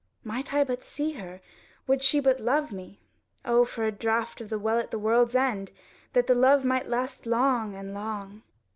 "Might I but see her! Would she but love me! O for a draught of the Well at the World's End, that the love might last long and long!"